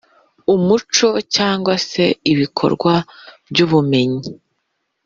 umuco cyangwa se ibikorwa by’ubumenyi